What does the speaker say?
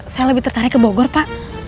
saya lebih tertarik ke bogor pak